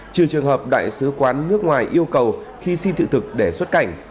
trừ trường hợp đại sứ quán nước ngoài yêu cầu khi xin thị thực để xuất cảnh